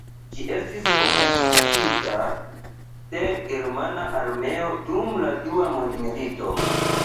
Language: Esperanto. Ĝi estis okupita de Germana armeo dum la Dua mondmilito.